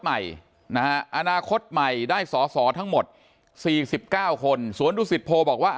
ใหม่อนาคตใหม่ได้สสทั้งหมด๔๙คนสวนทุกสิทธิ์โพบอกว่า